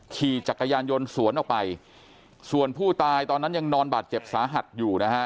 ขี่จักรยานยนต์สวนออกไปส่วนผู้ตายตอนนั้นยังนอนบาดเจ็บสาหัสอยู่นะฮะ